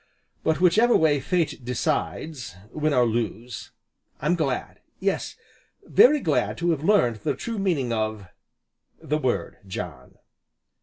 But which ever way Fate decides win, or lose, I'm glad yes, very glad to have learned the true meaning of the word, John."